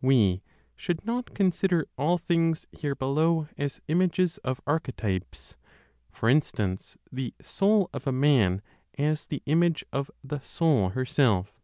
We should not consider all things here below as images of archetypes, for instance, the soul of a man as the image of the Soul herself.